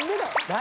何？